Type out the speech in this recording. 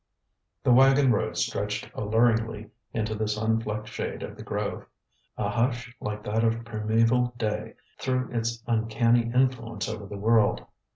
The wagon road stretched alluringly into the sunflecked shade of the grove. A hush like that of primeval day threw its uncanny influence over the world.